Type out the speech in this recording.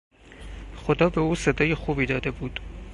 خدا به او صدای خوبی داده بود.